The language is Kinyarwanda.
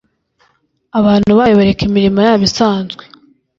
Abantu bayo bareka imirimo yabo isanzwe